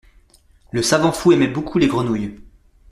Le savant fou aimait beaucoup les grenouilles.